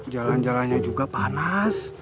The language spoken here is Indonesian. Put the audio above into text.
jalan jalannya juga panas